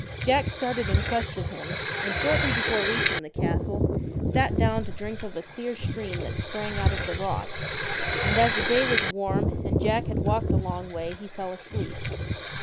Jack started in quest of him, and shortly before reaching the castle sat down to drink of a 185 JACK THE clear stream that sprang out of the rock ; and as GIANT the day was warm, and Jack had walked a long KILLER way he f e ii asleep.